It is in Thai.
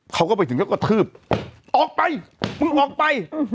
เขาก็ไปถึงก็กระทืบออกไปมึงออกไป